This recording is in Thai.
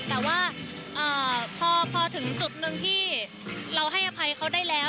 แต่ว่าพอถึงจุดหนึ่งที่เราให้อภัยเขาได้แล้ว